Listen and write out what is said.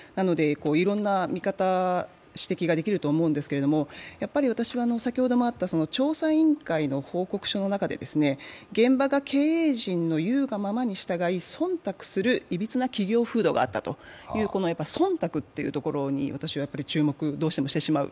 いろんな見方、指摘ができると思うんですけれども、やっぱり私は調査委員会の報告書の中で現場が経営陣の言うがままに従い忖度するいびつな企業風土があったと、この忖度というところに私は注目をどうしてもしてしまう。